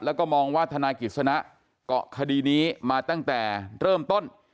แล้วก็มองว่าธนายกิจสนะเกาะคดีนี้มาตั้งแต่เริ่มต้น